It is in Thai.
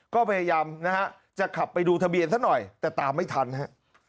ก็พยายามนะฮะจะขับไปดูทะเบียนซะหน่อยแต่ตามไม่ทันฮะ